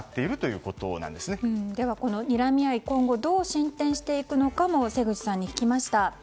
今後どう進展していくのかも瀬口さんに聞きました。